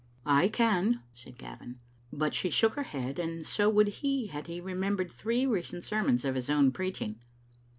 " I can," said Gavin; but she shook her head, and so would he had he remembered three recent sermons of his own preaching.